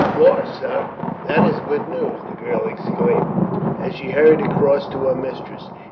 "Lor', sir, that is good news!" the girl exclaimed, as she hurried across to her mistress.